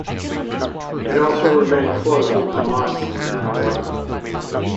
It also remained close with Hamas and Iran.